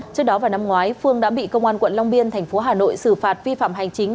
trước đó vào năm ngoái phương đã bị công an quận long biên thành phố hà nội xử phạt vi phạm hành chính